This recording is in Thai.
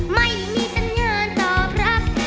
ไม่มีสัญญาตอบรับ